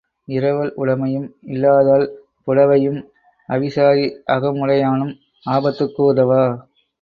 இரவல் உடைமையும் இல்லாதாள் புடைவையும், அவிசாரி அக முடையானும் ஆபத்துக்கு உதவா.